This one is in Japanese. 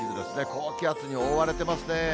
高気圧に覆われてますね。